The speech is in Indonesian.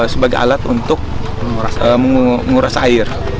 sebagai alat untuk menguras air